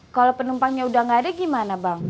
kalau penumpangnya udah nggak ada gimana bang